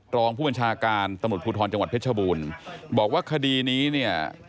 ตรองผู้บัญชาการตมพจพบูรณ์บอกว่าคดีนี้เนี่ย